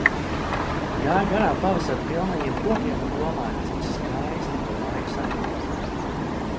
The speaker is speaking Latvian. Gāju garām pavasara pilnajiem kokiem un domāju, cik skaisti, ka laiks atnāca.